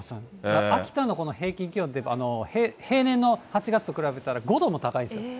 秋田のこの平均気温、平年の８月と比べたら５度も高いんです